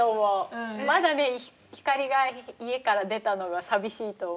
まだね星が家から出たのが寂しいと思う。